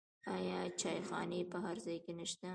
آیا چایخانې په هر ځای کې نشته؟